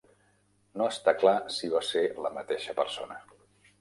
No està clar si va ser la mateixa persona.